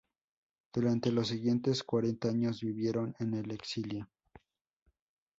Durante los siguientes cuarenta años, vivieron en el exilio.